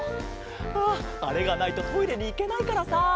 あああれがないとトイレにいけないからさ。